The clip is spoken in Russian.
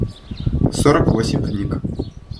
сорок восемь книг